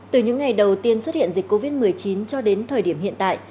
từ những ngày đầu tiên xuất hiện dịch covid một mươi chín cho đến thời điểm hiện tại